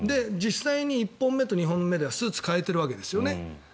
実際に１本目と２本目でスーツを変えてるわけですよね。